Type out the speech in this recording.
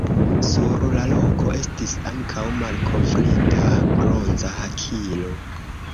Sur la loko estis ankaŭ malkovrita bronza hakilo.